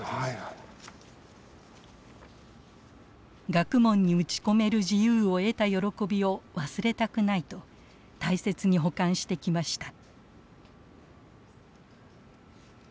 学問に打ち込める自由を得た喜びを忘れたくないと大切に保管してきました。